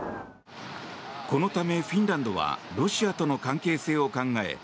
このため、フィンランドはロシアとの関係性を考え